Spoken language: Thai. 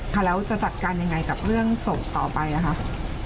ค่ะแล้วจะจัดการยังไงกับเรื่องศพต่อไปนะคะ